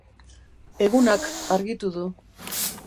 Egunak argitu du